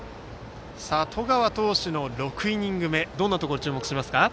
十川投手の６イニング目どんなところに注目しますか。